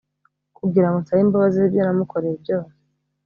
kugirango nsabe imbabazi, zibyo namukoreye byose